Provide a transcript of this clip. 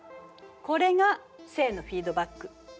これが正のフィードバック。